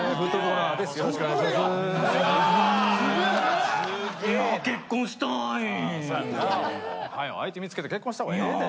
はよ相手見つけて結婚したほうがええで。